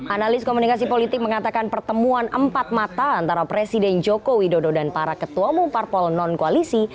analis komunikasi politik mengatakan pertemuan empat mata antara presiden jokowi dodo dan para ketua mumpar polonon koalisi